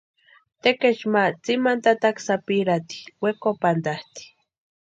Tekechu ma tsimani tataka sapirhati wekopantʼasti.